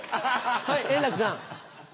はい円楽さん。